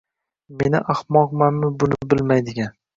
— Meni ahmoqmanmi buni bilmaydigan.